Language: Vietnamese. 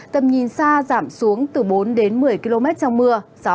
tầm nhìn xa giảm xuống từ bốn đến một mươi km trong mưa